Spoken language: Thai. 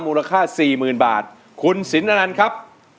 มูลค่าสี่หมื่นบาทคุณสินอนันต์ครับ